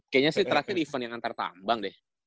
kayaknya sih terakhir event yang antar tambang deh